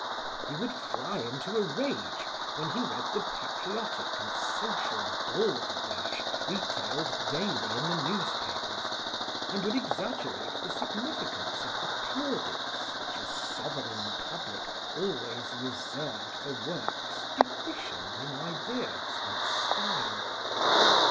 He would fly into a rage when he read the patriotic and social balderdash retailed daily in the newspapers, and would exaggerate the significance of the plaudits which a sovereign public always reserves for works deficient in ideas and style.